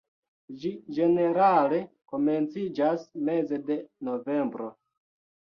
Ĝi ĝenerale komenciĝas meze de novembro.